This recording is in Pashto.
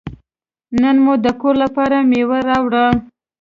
نن مې د کور لپاره میوه راوړه.